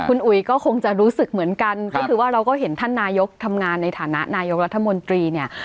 คุณอุ๋ยก็คงจะรู้สึกเหมือนกันก็คือว่าเราก็เห็นท่านนายกทำงานในฐานะนายกรัฐมนตรีเนี่ย